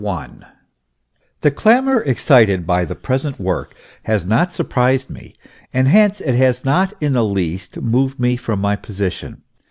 * THE clamour excited by the present work has not surprised me, and hence it has not in the least moved me from my position.